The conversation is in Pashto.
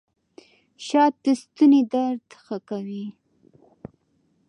شات د ستوني درد ښه کوي